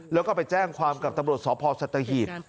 แล้วก็ไปแจ้งความกับตำรวจสพสัตหีบ